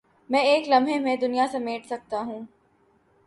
میں ایک لمحے میں دنیا سمیٹ سکتا ہوں